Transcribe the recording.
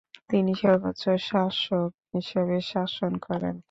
তিনি সর্বোচ্চ শাসক হিসেবে শাসন করেন।